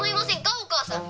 お母さん。